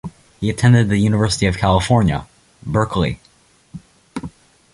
He attended the University of California, Berkeley.